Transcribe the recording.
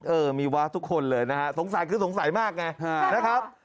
เออมีวะทุกคนเลยนะฮะสงสัยคือสงสัยมากไงนะครับ